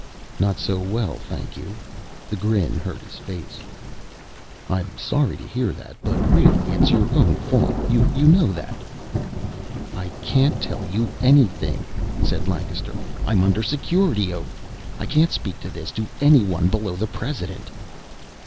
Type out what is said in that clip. "Not so well, thank you." The grin hurt his face. "I'm sorry to hear that. But really, it's your own fault. You know that." "I can't tell you anything," said Lancaster. "I'm under Security oath. I can't speak of this to anyone below the President."